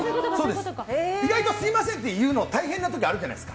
意外とすみませんって言うの大変な時あるじゃないですか。